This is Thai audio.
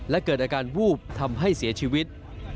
และเกิดอาการวูบทำให้เสียชีวิต